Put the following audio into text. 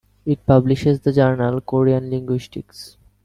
It publishes the journal "Korean Linguistics".